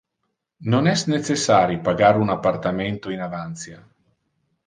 Non es necessari pagar un appartamento in avantia.